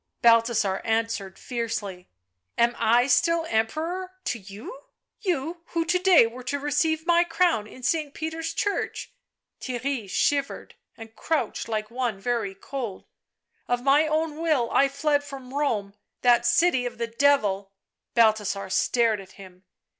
Balthasar answered fiercely :" Am I still Emperor to you ?— you who to day were to receive my crown in St. Peter's church ?" Theirry shivered and crouched like one very cold. " Of my own will I fled from Rome, that city of the Devil !" Balthasar stared at him.